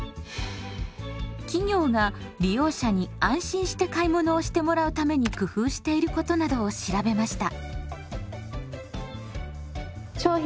企業が利用者に安心して買い物をしてもらうために工夫していることなどを調べました。